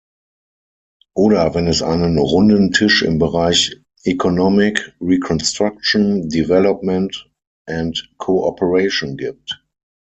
Oder wenn es einen runden Tisch im Bereich economic reconstruction, development and cooperation gibt.